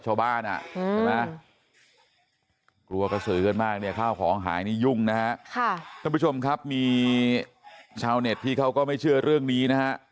ท่านผู้ชมครับมีชาวเน็ตที่เขาก็ไม่เชื่อเรื่องนี้นะฮะ